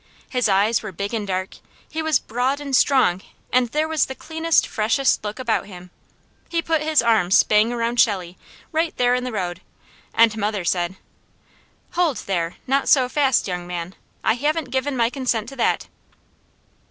His eyes were big and dark; he was broad and strong and there was the cleanest, freshest look about him. He put his arm spang around Shelley, right there in the road, and mother said: "Hold there! Not so fast, young man! I haven't given my consent to that."